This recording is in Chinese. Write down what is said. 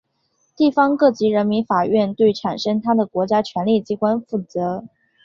地方各级人民法院对产生它的国家权力机关负责。